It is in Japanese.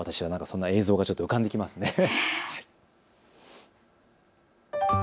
そんな映像が浮かんできますね。